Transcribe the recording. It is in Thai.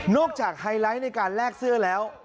จากไฮไลท์ในการแลกเสื้อแล้ว